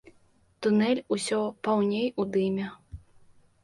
Тунель усё паўней у дыме.